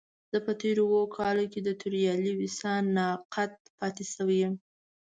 زه په تېرو اوو کالو کې د توريالي ويسا ناقد پاتې شوی يم.